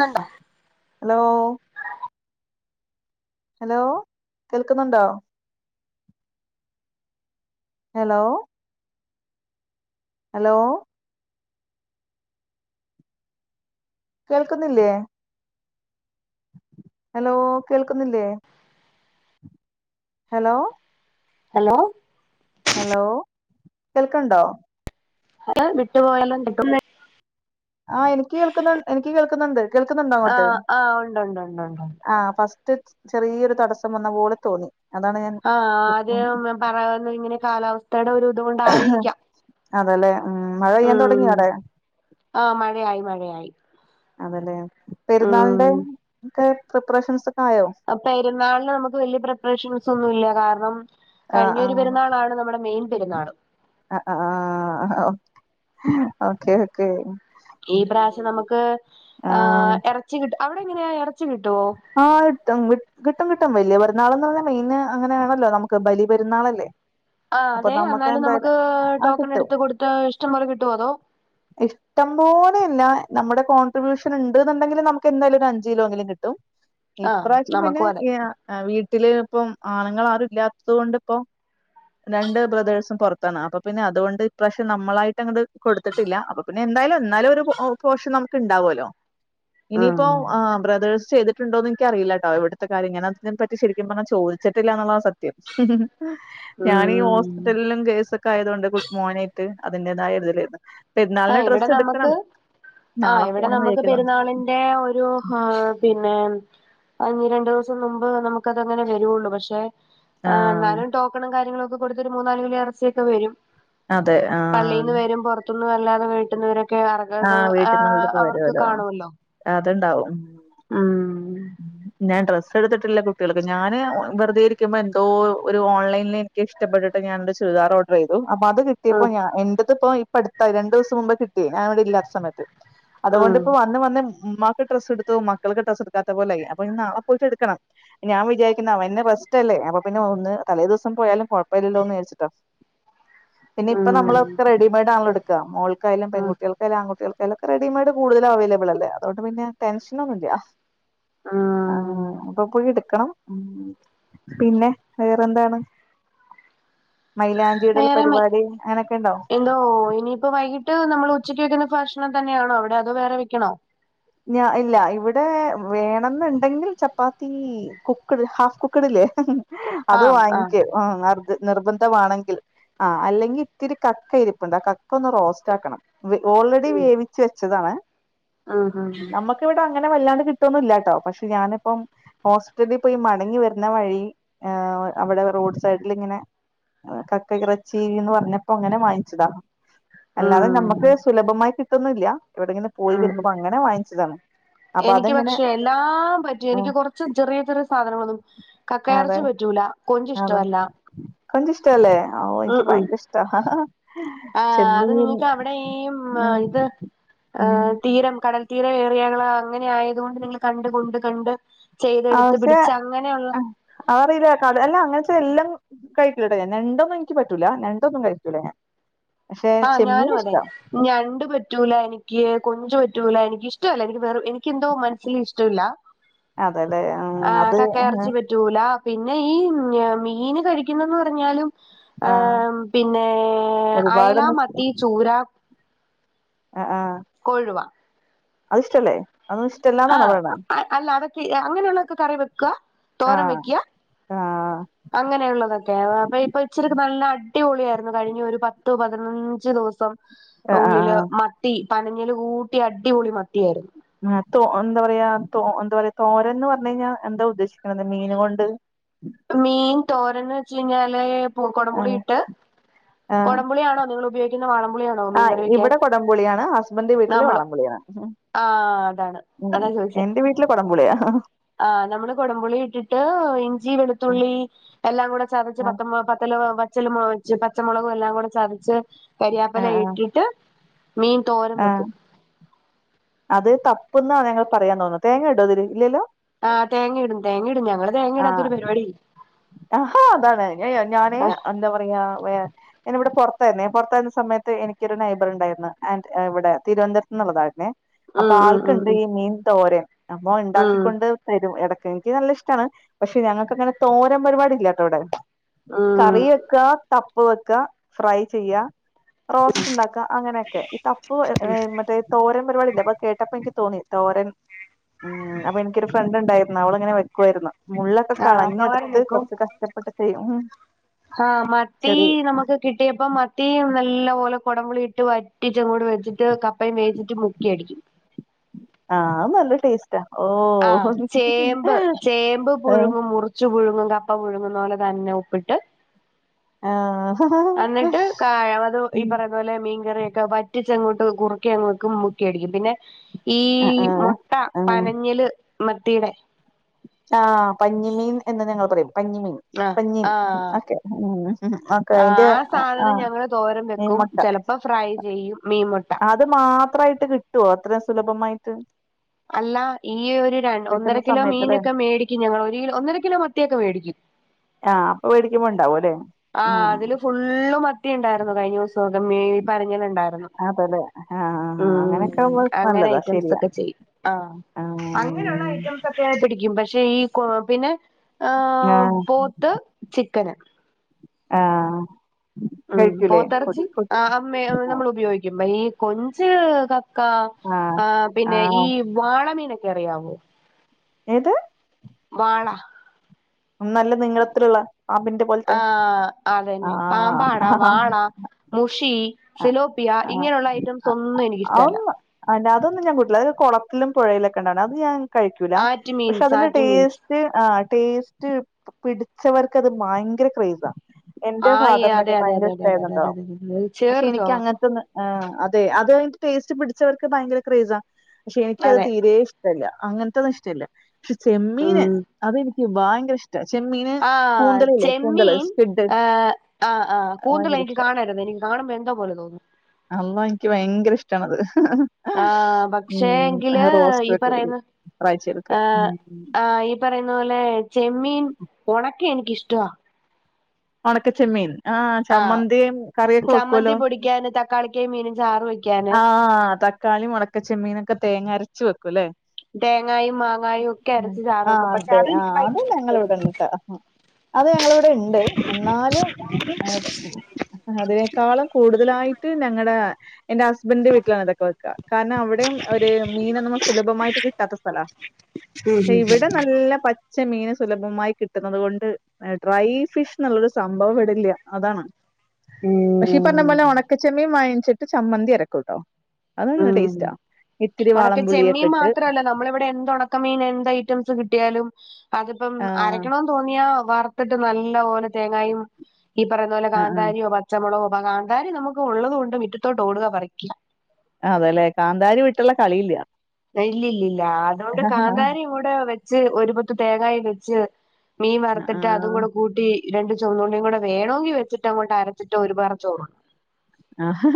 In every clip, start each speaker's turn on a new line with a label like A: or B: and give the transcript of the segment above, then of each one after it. A: ന്ന്ണ്ട
B: hello hello കേൾക്കുന്നുണ്ടോ hello hello കേൾക്കുന്നില്ലേ hello കേൾക്കുന്നില്ലേ ഹലോ
A: ഹലോ
B: ഹലോ കേൾക്കണ്ടോ
A: [inaudible] വിട്ട് പോയാലും കിട്ടും
B: ആഹ് എനിക്ക് കേൾക്കുന്നു എനിക്ക് കേൾക്കുന്നുണ്ട് കേൾക്കുന്നുണ്ടോ അങ്ങോട്ട്
A: ആഹ് ആഹ് ഉണ്ട് ഉണ്ട് ഉണ്ട് ഉണ്ട് ഉണ്ട്
B: ആ ഫസ്റ്റ് ട്ട് ചെറിയൊരു തടസ്സം വന്ന പോലെ തോന്നി അതാണ് ഞാൻ
A: ആഹ് അദ്യ പറയാന്ന ഇങ്ങനെ കാലാവസ്ഥയുടെ ഒരു ഇതോ ണ്ടായിരിക്കാം
B: അതല്ലെ ഉം മഴ പെയ്യാൻ
A: ഉം
B: തുടങ്ങിയോ അവിടെ
A: ആഹ് മഴയായി മഴയായി
B: അതല്ലെ
A: ഉം
B: പെരുന്നാളിന്റെ ഒക്കെ പ്രിപ്പറേഷൻസ് ഒക്കെ ആയോ
A: അ പെരുന്നാളിന് നമുക്ക് വലിയ പ്രിപ്പറേഷൻസ് ഒന്നും ഇല്ല കാരണം
B: ആ ആ
A: കഴിഞ്ഞൊരു പെരുന്നാളാണ് നമ്മുടെ മെയിൻ പെരുന്നാള്
B: ആഹ് ആഹ് ഓക്കെ ഓക്കെ
A: ഈ പ്രാവശ്യം നമുക്ക് ആ എറച്ചി കിട്ടും അവിടെ എങ്ങനെയാ എറച്ചി കിട്ടോ
B: ആഹ് കിട്ടും കിട്ടും കിട്ടും വലിയ പെരുന്നാൾന്ന് പറഞ്ഞാൽ മെയിന് അങ്ങനൊണല്ലോ നമുക്ക് ബലി പെന്നാളെ ല്ലേ
A: ആഹ് അതെ എന്നാലും നമുക്ക്
B: ആഹ്
A: ടോക്കൺ
B: കിട്ടും
A: എടുത്ത് കൊടുത്ത ഇഷ്ടം പോലെ കിട്ടോ അതോ
B: ഇഷ്ടം പോലെയില്ല നമ്മുടെ കോൺട്രിബ്യൂഷൻ ഉണ്ട് എന്നുണ്ടെങ്കില് നമുക്ക് എന്തായാലും ഒരു അഞ്ച് കിലോ എങ്കിലും കിട്ടും
A: ആഹ്
B: ഇപ്രാവശ്യം പിന്നെ
A: നമുക്കും അതെ
B: ഈ ആഹ് വീട്ടില് ഇപ്പം ആണുങ്ങളാരു ഇല്ലാത്തത് കൊണ്ട് ഇപ്പൊ രണ്ട് ബ്രദേഴ്സും പൊറത്താണ് അപ്പൊ പിന്നെ അതുകൊണ്ട് ഇപ്രാശ്യം നമ്മളായിട്ടങ്ങട് കൊടു ത്തിട്ടില്ല അപ്പൊ പിന്നെ എന്തായാലും എന്നാലും ഒരു പൊ പോഷൻ നമുക്ക് ഇണ്ടാവോല്ലോ
A: ഉം
B: ഇനിയിപ്പോ ആഹ് ബ്രദേഴ്സ് ചെയ്തിട്ടുണ്ടോന്ന് എനിക്കറിയില്ലാട്ടോ ഇവിടുത്ത കാര്യയെങ്ങന അതിനെ പറ്റി ശരിക്കും പറഞ്ഞ ചോദിച്ചിട്ടില്ലാന്നുള്ളതാ സത്യം ഞാനീ
A: ഉം
B: ഹോസ്പിറ്റലിലും കേസൊക്കെ ആയതോണ്ട് കുട് മോനായിട്ട് അതിന്റേതായിതിലിണ്
A: ആഹ് ഇവിടെ നമ്മക്ക് ആഹ്
B: നാളെ
A: ഇവിടെ
B: പോണംന്ന്
A: നമ്മക്ക്
B: വിചാരിക്കുന്നു
A: പെരുന്നാളിന്റെ ഒരു ഹാ പിന്നെ ഒന്നുരണ്ട് ദിവസം മുമ്പ് നമുക്കത് അങ്ങനെ വരുള്ളു പക്ഷെ ആഹ് എന്നാലും ടോക്കണും കാര്യങ്ങളൊക്കെ കൊടുത്തൊരു മൂന്നാല് കിലോ എറച്ചിയക്കെ വരും
B: അതെ ആഹ്
A: പള്ളിന്ന് വരും പൊറത്തുന്നും അല്ലാതെ വീട്ടുന്നി വരും [unintelligible] ആ അവർക്ക് കാണുവല്ലൊ
B: അതിണ്ടാവും ഉം ഞാൻ ഡ്രസ് സെടുത്തിട്ടില്ല കുട്ടികൾക്ക് ഞാന് വെറുതെ ഇരിക്കുമ്പം എന്തോ ഒരു ഓൺലൈനിലെനിക്ക് ഇഷ്ടപ്പെട്ടിട്ട് ഞാനൊരു ചുരിദാർ ഓ ർഡറ് ചെയ്തു അപ്പ അത് കിട്ടിയപ്പ
A: ഉം
B: ഞ എന്റെതിപ്പ ഇപ്പടുത്ത രണ്ടൂസം മുമ്പ് കിട്ടി ഞാനിവിടെ ഇല്ലാത്ത സമയത്ത്
A: ഉം
B: അതുകൊണ്ടിപ്പ വന്ന് വന്ന് ഉമ്മാക്ക് ഡ്രസ്സെടുത്തു മക്കൾക്ക് ഡ്രസ്സെടെക്കാത്ത പോലായി അപ്പോയിനി നാളെ പോയിട്ട് എടുക്കണം ഞാൻ വിചാരിക്കുന്നെ അവന് റെസ്റ്റല്ലേ അപ്പ പിന്നെ ഒന്ന് തലേ ദിവസം പോയാലും കൊഴപ്പില്ലല്ലോന്ന് വിചാരിച്ചിട്ട പിന്നെയിപ്പ
A: ഉം
B: നമ്മളൊക്കെ റെഡിമെയ്ഡാണല്ലോ എടുക്കാ മോൾക്കായലും
A: ഉം
B: പെൺകു ട്ടികൾക്കായാലും ആൺകുട്ടികൾക്കായാലൊക്കെ റെഡിമെയ്ഡ് കൂടുതൽ അവൈലബളല്ലേ അതുകണ്ട് പിന്നെ ടെൻഷനൊന്നുല്ല
A: ഉം.
B: ആഹ് അപ്പ പോയി എടുക്കണം ഉം പിന്നെ വേറെന്താണ് മൈലാ ഞ്ചിയിടൽ പരിപാടി അങ്ങനൊക്കെ ഇണ്ടോ
A: അതോ ഇനിയിപ്പ വൈകിട്ട് നമ്മള് ഉച്ചയ്ക്ക് വയ്ക്കുന്ന ഭക്ഷണം തന്നെയാണോ അവിടെ അതോ വേറെ വെക്കണോ
B: ഞ ഇല്ല ഇവിടേ വേണംന്നെണ്ടെങ്കിൽ ചപ്പാത്തീ കുക്കഡ് ഹാഫ് കുക്കഡില്ലേ അത്
A: ആഹ് ആഹ്
B: വാങ്ങിക്ക് ഉം അവർക്ക്‌ നിർബന്ധവാണെങ്കിൽ ആഹ് അല്ലെങ്കി ഇത്തിരി കക്ക ഇരിപ്പ്ണ്ട് ആ കക്ക ഒന്ന് റോസ്റ്റാക്കണം വേ ഓൾറെഡി
A: ഉം
B: വേവിച്ച് വെച്ചതാണ്
A: ഉം ഉം
B: നമ്മക്കിവിടെ അങ്ങനെ വല്ലാണ്ട് കിട്ടോന്നുല്ലാട്ടോ പക്ഷെ ഞാനിപ്പം ഹോസ്റ്റലി പോയി മടങ്ങി വരുന്ന വഴി ഏഹ് അവിടെ റോഡ് സൈഡിലിങ്ങനെ കക്ക എറച്ചീന്ന് പറഞ്ഞപ്പം അങ്ങനെ വാങ്ങിച്ചതാ
A: ഉം
B: അല്ലാതെ നമ്മക്ക്
A: ഉം.
B: സുലഭമായി കിട്ടുന്നില്ല ഇവിടിങ്ങനെ പോയി
A: ആഹ്
B: വരുമ്പ അങ്ങനെ വാങ്ങിച്ചതാണ് അപ്പൊ
A: എനിക്ക്
B: അതങ്ങനെ
A: പക്ഷെ എല്ലാം പറ്റും
B: ആഹ്
A: എനിക്ക് കൊറച്ച് ചെറിയ ചെറിയ സാധനങ്ങളൊന്നും
B: അതെ
A: കക്കയെറച്ചി പറ്റൂല കൊഞ്ച്
B: അതെ
A: ഇഷ്ടവല്ല
B: കൊഞ്ച് ഇഷ്ടല്ലേ ഓഹ് എനിക്ക് ഭയങ്കര ഇഷ്ടാ
A: അത്
B: ചെമ്മീൻ
A: നിങ്ങൾക്ക് അവിടെ ഈ ത്
B: ഉം
A: ആഹ് തീരം കടൽ തീരയേറിയകള് അങ്ങനെ ആയത്കൊണ്ട് നിങ്ങള് കണ്ട് കൊണ്ട് കണ്ട്
B: ആഹ്
A: ചെയ്തെടുത്ത്
B: പക്ഷെ
A: പിടിച്ച് അങ്ങനെയുള്ള
B: അതറിയില്ല കട അല്ല അങ്ങനത്തെ എല്ലം കഴിക്കില്ലാട്ടോ ഞാൻ ഞണ്ടൊന്നും എനിക്ക് പറ്റൂല ഞണ്ടൊന്നും കഴിക്കൂല്ല ഞാൻ പക്ഷെ
A: ആഹ്
B: ചെമ്മീൻ
A: ഞാനും അതെ
B: ഇഷ്ട്ടാ
A: ഞണ്ട് പറ്റൂല എനിക്ക് കൊഞ്ച് പറ്റൂല എനിക്ക് ഇഷ്ടവല്ല എനിക്ക് വേറെ എനി ക്കെന്തോ മനസില് ഇഷ്ടവില്ല
B: അതെല്ലേ ഉം
A: ആഹ്
B: അത്
A: കക്കയെറച്ചി പ റ്റൂല പിന്നെ ഈ മീന് കഴിക്കുന്നന്ന് പറഞ്ഞാലും ആഹ് പിന്നേ അയല,
B: ഒരുപാടൊന്നും
A: മത്തി, ചൂര
B: അഹ് ആഹ്
A: കൊഴുവ
B: അതിഷ്ടല്ലേ അത് ഇഷ്ടല്ലാന്നാണോ
A: ആഹ്
B: പറയണേ
A: അ അല്ല അതക്കെ അങ്ങനെയുള്ളതൊക്കെ കറി വെക്കാ തോരൻ
B: ആഹ്
A: വെയ്ക്കാ
B: ആഹ്
A: അങ്ങനെയുള്ളതൊക്കെ അപ്പയിപ്പം ഇച്ചിരിക്ക് നല്ല അടിപൊളിയായിരുന്നു കഴിഞ്ഞ ഒരു പത്ത് പതിനഞ്ച് ദിവസം
B: ആഹ്
A: ഉള്ളില്
B: ആഹ്
A: മത്തി പനഞ്ഞില് കൂട്ടി അടിപൊളി മത്തിയാരുന്നു
B: ആഹ് തോ എന്താ പറയാ തോ എന്താ പറയാ തോരൻന്ന് പറഞ്ഞയിഞ്ഞാ എന്താ ഉദ്ദേശിക്കണത് മീന് കൊണ്ട്
A: മീൻ തോരന്ന് വെച്ച്കയിഞ്ഞാല് പ്പം
B: ആ
A: കൊടംപുളി ഇട്ട്
B: ആ
A: കുടംമ്പുളിയാണോ നിങ്ങൾ ഉപയോഗിക്കുന്ന വാളമ്പുളിയാ
B: ആ ഇവിടെ കൊടംപുളിയാണ് ഹസ്ബൻഡിന്റെ വീട്ടില്
A: നമ്മള്
B: വളംപുളിയാണ്
A: ആഹ് അതാണ് അതാ ചോദിച്ചത്
B: എന്റെ വീട്ടില് കുടംമ്പുളിയ
A: ആ നമ്മള് കൊടംപുളി ഇട്ടിട്ട് ഇഞ്ചി വെളുത്തുള്ളി എല്ലാം കൂടെ ചതച്ച്
B: ആ
A: പത്തമ പത്തല പച്ചല്മ പച്ച പച്ചമുളകും എല്ലാം കൂടെ ചതച്ച്
B: ആ
A: കരിയാപ്പല ഇട്ടിട്ട് മീൻ തോരം
B: ആ
A: വെക്കും
B: അത് തപ്പ്ന്നാ ഞങ്ങൾ പറയാതോന്നുന്ന് തേങ്ങടോ ഇതില് ഇല്ലല്ലോ?
A: ആഹ് തേങ്ങയിടും തേങ്ങ ഇടും ഞങ്ങള് തേങ്ങ ഇടാത്ത ഒരു പരിപാടില്ല
B: അഹാ അതാണ് ഞാ യാ ഞാന്
A: ആഹ്
B: എന്താ പറയാ വേ ഞാനിവിടെ പുറത്തായിരുന്നേ പുറത്തായിരുന്ന സമയത്ത് എനിക്കൊരു നൈബറുണ്ടായിരുന്നു ആൻ്റ് ഇവിടെ തിരുവനന്തപുരത്ത്ന്ന്ള്ളതായിര്ന്നേ അപ്പൊ
A: ഉം ഉം ഉം
B: ആൾക്കുണ്ട്
A: ഉം
B: ഈ മീൻ തോരൻ അപ്പൊ
A: ഉം
B: ഉണ്ടാക്കിക്കൊണ്ട് തരും ഇടക്ക് എനിക്ക് നല്ല ഇഷ്ടാണ് പക്ഷെ ഞങ്ങൾക്ക് അങ്ങനെ തോരൻ പരിപാടില്ലട്ടോ ഇവിടെ
A: ഉം
B: കറി വെക്കാ തപ്പ് വെക്ക ഫ്രൈ ചെയ്യ റോസ്റ്റ് ഉണ്ടാക്ക അങ്ങനെക്കെ ഈ തപ്പു എ മറ്റേ തോരൻ പരിപാടില്ലേ അപ്പത് കേട്ടപ്പോ എനിക്ക് തോന്നി തോരൻ ഉം അപ്പൊ എനിക്കൊരു ഫ്രണ്ട് ഉണ്ടായിരുന്നു അവളിങ്ങനെ വെക്കുവായിരുന്നു മുള്ളൊക്കെ
A: ആഹ് തോരൻ
B: കളഞ്ഞെടുത്ത് കൊറച്ച് കഷ്ടപ്പെട്ട് ചെയ്യും
A: ആഹാ മത്തി
B: ചെറിയ
A: നമുക്ക് കിട്ടിയപ്പോ മത്തി നല്ല പോലെ കൊടംപുളി ഇട്ട് വ റ്റിച്ചങ്ങോട്ട് വെച്ചിട്ട് കപ്പയും മേടിച്ചിട്ട് മുക്കി അടിക്കും
B: ആഹ് നല്ല ടേസ് റ്റ ഓ
A: ആ ചേമ്പ് ചേമ്പ് പുഴുങ്ങും മുറ് ച്ചു പുഴുങ്ങും കപ്പ പുഴുങ്ങുന്ന പോലെ തന്നെ ഉപ്പിട്ട്
B: ആ
A: എന്നിട്ട് കായ അത് ഈ പറയുന്ന പോലെ മീൻകറിയൊക്കെ വറ്റ റ്റിച്ചങ്ങോട്ട് കുറുക്കി അങ്ങക്ക് മുക്കി അടിക്കും പിന്നെ ഈ
B: ആ
A: മുട്ട
B: ആ
A: പന ഞ്ഞല് മത്തിയുടെ
B: ആ പഞ്ഞിമീൻ എന്ന് ഞങ്ങൾ പറയും പഞ്ഞിമീൻ
A: ആഹ്
B: പഞ്ഞീൻ
A: ആഹ്
B: ഒക്കെ മ്ഹ്
A: ആഹ്
B: ഓക്കെയിന്റെ
A: ആ
B: ഒ ആ മീൻമുട്ട
A: ഇപ്പൊ ഫ്രൈ ചെയ്യും മീൻ മുട്ട
B: അത് മാത്രമായിട്ട് കിട്ടുവോ അത്രയും സുലഭമായിട്ട്
A: അല്ല ഈ ഒരു ര ഒന്നര
B: കിട്ടുന്ന
A: കിലോ
B: സമയത്തല്ലേ
A: മീനൊക്കെ മേടിക്കും ഞങ്ങൾ ഒരു ഒന്നര കിലോ മത്തിയൊക്കെ വേടിക്കും
B: ആഹ് അപ്പൊ വേടിക്കുമ്പൊണ്ടാവും അല്ലേ
A: ആഹ് അതില് ഫുള്ള് മത്തി ഉണ്ടായിരുന്നു കഴിഞ്ഞ ദിവസം ഒക്കെ ഈ പനഞ്ഞിലുണ്ടായിരുന്നു
B: അതല്ലേ ആഹ്
A: ഉം
B: അങ്ങനെയൊക്കെ ആവുമ്പോ
A: അങ്ങനെ
B: നല്ലതാ
A: ഐറ്റംസ്
B: ശരിയാ
A: ഒക്കെ ചെയ്യും ആ അങ്ങനെയുള്ള
B: ആഹ്
A: ഐറ്റംസ് ഒക്കെ പിടിക്കും പക്ഷെ ഈ കൊ പിന്നെ
B: ആഹ്
A: പോത്ത് ചിക്കന്
B: ആഹ്
A: ഉം
B: കയ്ക്കൂലെ
A: പോത്തിറച്ചി
B: കൊട്ട് കൊത്ത്
A: ആഹ് നമ്മൾ ഉപയോഗിക്കുമ്പ ഈ കൊഞ്ച് കക്ക
B: ആഹ്
A: പിന്നെ
B: ആഹ്
A: ഈ വാളമീനൊക്കെ അറിയാവോ
B: ഏത്
A: വാള
B: നല്ല നിങ്ങളത്തിലുള്ള പാമ്പിൻ്റ പോലത്തെ
A: ആഹ് അതന്നെ
B: ആഹ്
A: പാമ്പാട
B: ആഹ്
A: വാള മുഷി ഫിലോപ്പിയ ഇങ്ങനെയുള്ള ഐറ്റംസ് ഒന്നും എനിക്കിഷ്ടല്ല
B: അന്ന അതൊന്നും ഞാൻ കൂട്ടുല്ല അത് കൊളത്തിലും പുഴയിലൊക്കെണ്ടാവ്ണ അത് ഞാൻ കഴിക്കൂല
A: ആറ്റ്
B: പക്ഷെ
A: മീൻസ്
B: അതിന്റെ
A: ആറ്റ് മീൻസ്
B: ടേസ്റ്റ് ആ ടേസ്റ്റ് പിടിച്ചവർക്കത് ഭയങ്കര ക്രേസാ എന്റെ
A: ആഹ്
B: ഫാദറിനൊക്കെ
A: അതെ അതെ
B: ഭയങ്കര
A: അതെ അതെ അതെ അതെ
B: ഇഷ്ടായിര്ന്നുട്ടോ
A: അതെ അതെ അതെ
B: പക്ഷെ
A: ചേറ്
B: എനിക്ക്
A: ചോവ
B: അങ്ങനത്തൊന്ന് ആ അതെ അത് ടേസ്റ്റ് പിടിച്ചവർക്ക് ഭയങ്കര ക്രേസ്ആ പക്ഷെ എനിക്കത്
A: അതെ
B: തീരെ ഇഷ്ടല്ല അങ്ങനത്തെത് ഇഷ്ടല്ല പക്ഷെ ചെമ്മീന്
A: ഉം
B: അത് എനി ക്ക് ഭയങ്കര ഇഷ്
A: ആഹ് ചെമ്മീൻ
B: സ്ക്വിഡ് അത്
A: ഏഹ് ആഹ് ആഹ് കൂന്തള
B: ഭയങ്കര
A: എനിക്ക്
B: ഇഷ്ട
A: കാണരുത് എനി കാണുമ്പ എന്തോ പോല തോന്നും
B: അമ്മോ എനിക്ക് ഭയങ്കര ഇഷ്ട്ടാണത്
A: ആഹ് പക്ഷേ എങ്കില് ഈ
B: വെക്കുവതില്
A: പറയുന്ന
B: ഫ്രൈ ചെയ്തൊക്കെ
A: ഏഹ്
B: ഉം
A: അഹ് പറയുന്ന പോലെ ചെമ്മീൻ ഒണക്കിയ എനിക്കിഷ്ടവ
B: ഒണക്കച്ചെമ്മീൻ ആഹ് ചമ്മന്തിയും കറിയൊക്കെ
A: ചമ്മന്തി
B: വെക്കൂവല്ലോ
A: പൊടിക്കാന് തക്കാളിക്കായും മീനും ചാറ് വെക്കാന്
B: ആഹ് ത ക്കാളിയും ഒണക്ക ചെമ്മീനൊക്കെ തേങ്ങ അരച്ച് വെക്കും അല്ലേ
A: തേങ്ങായും മാങ്ങായും ഒക്കെ അരച്ച് ചാറ്
B: ആഹ്
A: വെക്കും പക്ഷെ
B: അതെ
A: അതെനിക്ക്
B: ആഹ് അത്
A: ഭയങ്കര
B: ഞങ്ങളെ
A: ഇഷ്ടവാ
B: ഇവിടെന്നിട്ടാ അത് ഞങ്ങളിവിടെണ്ട് എന്നാലും അ അതിനേക്കാളും കൂടുതലായിട്ട് ഞങ്ങടെ എന്റെ ഹസ്ബന്റിന്റെ വീട്ടിലാണ് ഇതക്കെ വെക്ക കാരണം അവിടെയും ഒരു മീനൊന്നും സുലഭമായിട്ട് കിട്ടാത്ത സ്ഥലവ
A: ഉം
B: പക്ഷെ ഇവടെ നല്ല പ പച്ച മീന് സുലഭമായി കിട്ടുന്നത് കൊണ്ട് ഡ്രൈ ഫിഷ് എന്നുള്ളൊരു സംഭവം ഇവിടില്ല അതാണ്
A: ഉം
B: പക്ഷെ ഇപ്പം
A: ഉം
B: നമ്മള് ഉണക്ക ചെമ്മീൻ വാങ്ങിച്ചിട്ട് ചമ്മന്തി അരക്കൂട്ടോ അത് നല്ല
A: ഉം ഉം.
B: ടേസ്റ്റാ ഇത്തിരി
A: ഒണക്ക
B: വാളപുളി
A: ചെമ്മീൻ
B: ഒക്കെ ഇട്ട്
A: മാത്രല്ല നമ്മളിവിടെ എന്ത് ഒണക്ക മീൻ എന്ത് ഐറ്റംസ് കിട്ടിയാലും അതിപ്പം
B: ആഹ്
A: അരക്ക തോന്നിയ വർത്തിട്ട് നല്ല പോനെ തേങ്ങായും ഈ പറയുന്ന പോലെ
B: ആഹ്
A: കാന്താരിയോ പ പച്ച മൊളകോ കാന്താരി നമുക്ക് ഒള്ളത് കൊണ്ട് മുറ്റത്തോട്ട് ഓടുക പറിക്ക്യ
B: അതെല്ലേ കാന്താരി വിട്ടൊള്ള കളിയില്ല
A: ഇല്ല ഇല്ലില്ല അതുകൊണ്ട്
B: ആഹ്
A: കാന്താരിയും കൂടെ വെച്ച് ഒരുപത്ത് തേങ്ങായും വെച്ച് മീൻ വറുത്തിട്ട് അതും
B: ആഹ്
A: കൂടെ കൂ ട്ടി രണ്ട് ചൊമന്നുള്ളിയും കൂടെ വേണെങ്കി വെച്ചിട്ട് അങ്ങോട്ട് അരച്ചട്ട് ഒരുപറ ചോറുണ്ണും
B: ആഹ്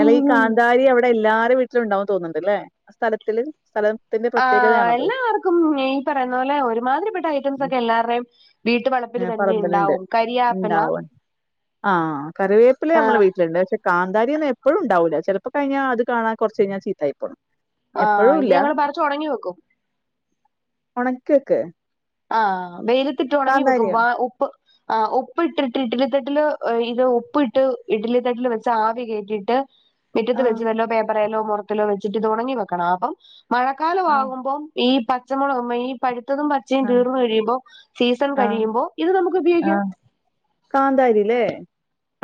B: അല്ല ഈ കാന്താരി എവ വിടെ എല്ലാരെ വീട്ടിലും ഒണ്ടാവൂന്ന് തോന്നണ്ട് അല്ലേ ആ സ്ഥലത്തില് സ്ഥലം
A: ആഹ് എല്ലാർക്കും ഈ പറയുന്ന പോലെ ഒരുമാതിരിപ്പെട്ട ഐറ്റംസ് ഒക്കെ എല്ലാർടെയും വീട്ടുവളപ്പിൽ തന്നെ
B: പറമ്പലുണ്ട്
A: ഇണ്ടാവും കരിയാപ്പില
B: ഉണ്ടാവും ആഹ് കറിവേപ്പില നമ്മളെ
A: ആഹ്
B: വീട്ടിലുണ്ട് പക്ഷെ കാന്താരി ഒന്നും എപ്പഴും ഉണ്ടാവൂല്ല ചിലപ്പ കഴിഞ്ഞ അത് കാണാ കൊറച്ച് കഴിഞ്ഞാ ചീത്തായിപോണം
A: ആഹ് ഇത്
B: എപ്പഴൂല്ല
A: ഞങ്ങള് പറിച്ച് ഉണങ്ങി വെക്കും
B: ഒണക്കൊക്കെ
A: ആഹ് വെയിലത്തിട്ട് ഒണങ്ങി വെക്കുമ്പ ഉ
B: [inaudible]
A: ആഹ് ഉപ്പ് ഇട്ടിട്ട് ഇഡലി തട്ടിൽ ഇത് ഉപ്പ് ഇട്ട് ഇഡ്ലി തട്ടിൽ വെച്ച ആവി കയറ്റിട്ട് മുറ്റത്ത്
B: ആഹ്
A: വെചുവെല്ലോ പേപ്പറേല്ലോ മൊറത്തിലോ വെച്ചിട്ട് ഇതോണങ്ങി വെക്കണം അപ്പം
B: ആഹ്
A: മഴക്കാലമാകുമ്പം ഈ പച്ചമുളക് ഈ പഴുത്തതും പ ചേ
B: ആഹ്
A: തീർന്നു കഴിയുമ്പോ സീസൺ
B: ആഹ്
A: കഴിയുമ്പോ ഇത് നമുക്ക് ഉപയോഗിക്കാം
B: ആഹ് കാന്താരില്ലേ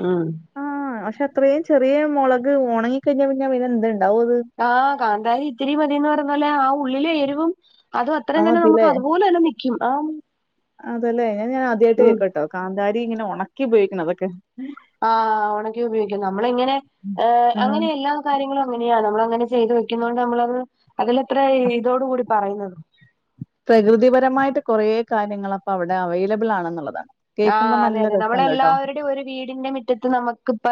A: ഉം
B: ആഹ് പക്ഷെ അത്രയും ചെറിയ മൊളക് ഒണങ്ങി കഴിഞ്ഞാ പിന്ന പിന്ന എന്തു ഉണ്ടാവ അത്
A: ആഹ് കാന്താരി ഇത്തിരി മതിന്ന് പറഞ്ഞ പോലെ ആ ഉള്ളിലെരുവും അത് അത്രയും തന്നെ നമുക്ക് അതുപോലെ തന്നെ നിക്കും ആഹ്
B: അതല്ലേ അത് ഞാന് ആദ്യയിട്ട് കേക്ക കേട്ടോ കാന്താരി ഇങ്ങനെ ഒണക്കി ഉപോഗിക്കണതൊക്കെ
A: ആഹ് ഒണക്കി ഉപയോഗിക്കും നമ്മള് ഇങ്ങനെ ഏഹ്
B: ആഹ്
A: അങ്ങനെ എല്ലാം കാര്യങ്ങളും അങ്ങനെയാണ് നമ്മളങ്ങനെ ചെയ്ത് വെക്കുന്നൊണ്ട് നമ്മളത് അതിലെ ഇത്ര ഇതോട് കൂടി പറയുന്നത്
B: പ്രകൃതിപരമായിട്ട് കുറേ കാര്യങ്ങൾ അപ്പ അവിടെ അവൈലബിൾ ആണെന്നുള്ളതാണ്
A: ആഹ്
B: കേൾക്കുമ്പോ
A: അതെ
B: നല്ല
A: അതെ
B: രസണ്ട് കേട്ടോ
A: നമ്മളെല്ലാവരുടെയും ഒരു വീടിന്റെ മിറ്റത്ത് നമുക്കിപ്പ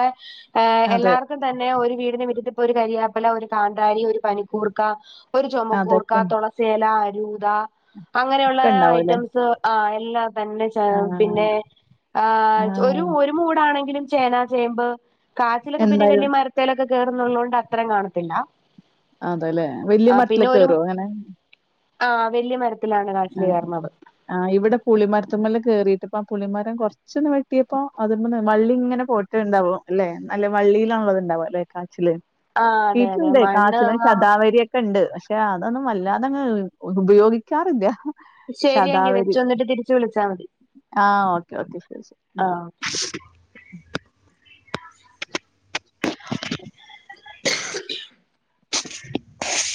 B: അതെ
A: എല്ലാർ ക്കും തന്നെ ഒരു വീടന് മിറ്റത്തിപ്പോ ഒരു കരിയാപ്പല ഒരു കാന്താരി ഒരു പനിക്കൂർക്ക ഒരു
B: അതൊക്കെ
A: ചുമക്കൂർക്ക തുളസേല അരൂത അങ്ങനെയുള്ള
B: ഒക്കെ ഉണ്ടാവുംല്ലേ
A: ഐറ്റംസ്- ആ എല്ലാം തന്നെ
B: ആഹ്
A: പിന്നെ ആഹ് ഒരു ഒര് മൂടാണെങ്കിലും ചേന ചേമ്പ് കാച്ചിലൊക്കെ പിന്നെ
B: എന്തായാലും
A: വലിയ മരത്തയിലൊക്കെ കേയറുന്നള്ള കൊണ്ട് അത്രം കാണത്തില്ല
B: അതല്ലെ വല്യ
A: ആഹ് പിന്നെ
B: മരത്തില്
A: ഒരു
B: കേറോ അങ്ങനെ
A: ആഹ് വലിയ മരത്തിലാണ് കാച്ചില് കേർണത്
B: ആഹ് ഇവിടെ പുളിമരത്തിമ്മേൽ കേറിയിട്ട് പ്പ ആ പുളിമരം കുറ ന്ന് വെട്ടിയപ്പോ അത വള്ളി ഇങ്ങനെ പോയിട്ട്ണ്ടാവും അല്ലെ നല്ല വള്ളിയിലാണുള്ളത് ഉണ്ടാവ അല്ലെ കാച്ചില്
A: ആഹ് അതെ അതെ
B: വീട്ടിലുണ്ട്
A: മണ്ണ്
B: കാച്ചില
A: ആ
B: ശതാവരിക്കെ ക്ക ഉണ്ട് പക്ഷെ അതൊന്നും വല്ലാതെങ്ങ് ഉപയോഗിക്കാറില്ല.
A: ശരിയെങ്കി
B: ശതാവരി
A: വെച്ചൊ ന്നിട്ട് തിരിച്ച് വിളിച്ചാ മതി
B: ആ ഓക്കെ ഓക്കെ ശരി. ശരി.
A: ആഹ്